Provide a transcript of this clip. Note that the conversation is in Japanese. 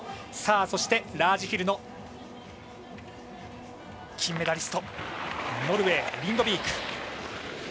そしてラージヒルの金メダリストノルウェー、リンドビーク。